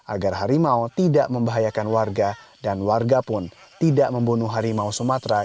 agar harimau tidak membahayakan warga dan warga pun tidak membunuh harimau sumatera